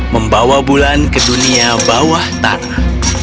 membawa bulan ke dunia bawah tanah